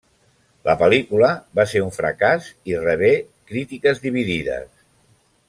La pel·lícula va ser un fracàs, i rebé crítiques dividides.